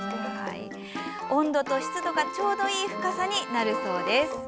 温度と湿度がちょうどいい深さになるそうです。